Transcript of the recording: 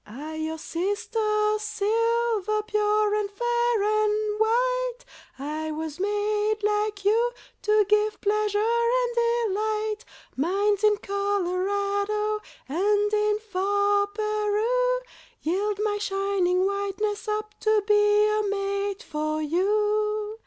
I, your sister, Silver, Pure and fair and white, I was made, like you, to give Pleasure and delight. Mines in Colorado, And in far Peru, Yield my shining whiteness up To be a mate for you.